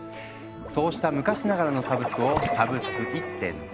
そうした昔ながらのサブスクを「サブスク１．０」。